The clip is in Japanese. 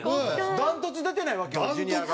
断トツ出てないわけよジュニアが。